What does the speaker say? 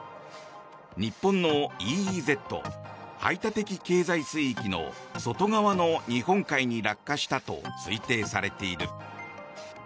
日本のＥＥＺ・排他的経済水域の外側の日本海に落下したと推定されている。